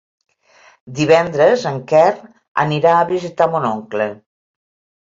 Divendres en Quer anirà a visitar mon oncle.